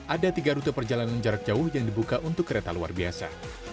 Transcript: ada tiga rute perjalanan jarak jauh yang dibuka untuk kereta luar biasa